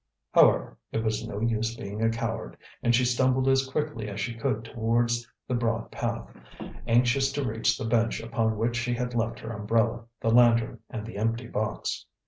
However, it was no use being a coward, and she stumbled as quickly as she could towards the broad path, anxious to reach the bench upon which she had left her umbrella, the lantern and the empty box.